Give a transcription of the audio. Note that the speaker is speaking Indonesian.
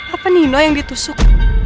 apa nino yang ditusuk